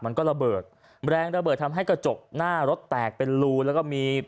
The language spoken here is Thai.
มันก็ระเบิดแรงระเบิดทำให้กระจกหน้ารถแตกเป็นรูแล้วก็มี